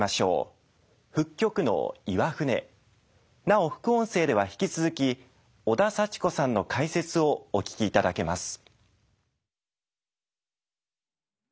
なお副音声では引き続き小田幸子さんの解説をお聞きいただけます。